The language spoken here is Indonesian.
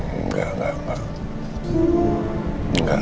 enggak enggak enggak